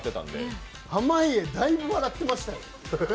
濱家、だいぶ笑ってましたよ